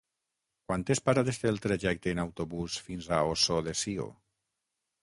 Quantes parades té el trajecte en autobús fins a Ossó de Sió?